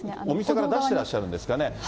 お店から出してらっしゃるんですかね。